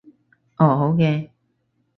哦，好嘅